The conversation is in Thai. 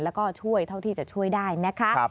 แล้วก็ช่วยเท่าที่จะช่วยได้นะคะ